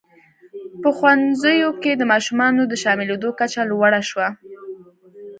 په ښوونځیو کې د ماشومانو د شاملېدو کچه لوړه شوه.